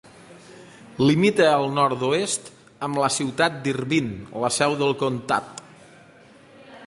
Limita al nord-oest amb la ciutat d'Irvine, la seu del comtat.